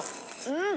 うん！